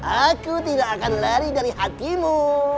aku tidak akan lari dari hatimu